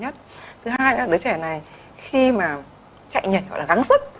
thứ hai là đứa trẻ này khi mà chạy nhảy gắn sức